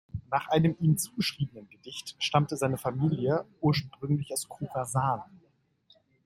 Nach einem ihm zugeschriebenen Gedicht stammte seine Familie ursprünglich aus Chorasan.